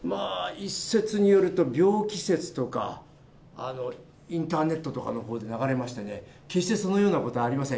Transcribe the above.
一説によると病気説とか、インターネットとかのほうで流れましてね、決してそのようなことはありません。